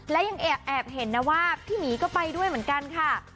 และยังแอบเห็นนะว่าพี่หมีก็ไปด้วยเหมือนกันค่ะ